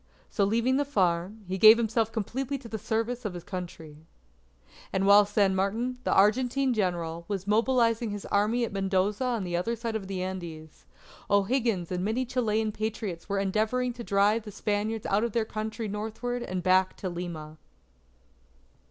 So leaving the farm, he gave himself completely to the service of his Country. And while San Martin, the Argentine General, was mobilizing his Army at Mendoza on the other side of the Andes, O'Higgins and many Chilean Patriots were endeavouring to drive the Spaniards out of their country northward and back to Lima.